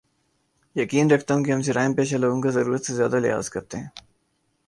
یقین رکھتا ہوں کے ہم جرائم پیشہ لوگوں کا ضرورت سے زیادہ لحاظ کرتے ہیں